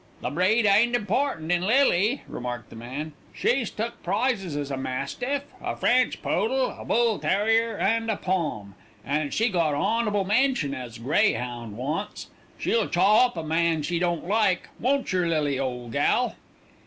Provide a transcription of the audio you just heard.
"The breed ain't important in Lily," remarked the man. "She's took prizes as a mastiff, a French poodle, a bull terrier, and a pom., and she got hon'ble mention as a grey'ound once. She'll chaw up a man she don't like, won't yer, Lily, old gal?"